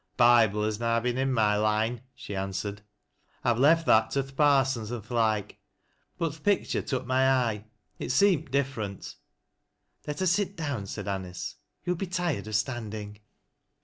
"Th' Bible has na been i' my line," she answered; " I've left that to th' parsons an' th' loike ; but th' pictur' tiik my eye. It seemt different." " Let us sit down," said Anice, " you will be tired ol standing."